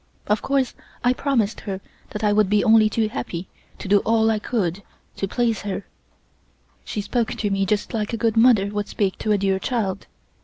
Of course I promised her that I would be only too happy to do all I could to please her. She spoke to me just like a good mother would speak to a dear child.